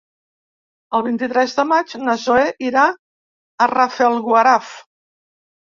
El vint-i-tres de maig na Zoè irà a Rafelguaraf.